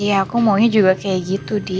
iya aku maunya juga kayak gitu deh